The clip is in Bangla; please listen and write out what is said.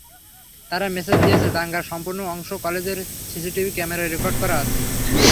তারা মেসেজ দিয়েছে দাঙ্গার সম্পূর্ণ অংশ কলেজের সিসিটিভি ক্যামেরায় রেকর্ড করা আছে।